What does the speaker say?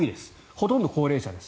ほとんど高齢者です。